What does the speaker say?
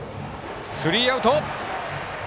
スリーアウト。